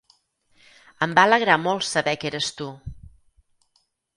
Em va alegrar molt saber que eres tu.